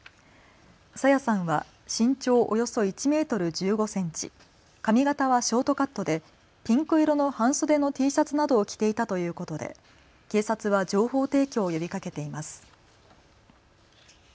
朝芽さんは身長およそ１メートル１５センチ、髪型はショートカットでピンク色の半袖のＴシャツなどを着ていたということで警察は情報提供を呼びかけています。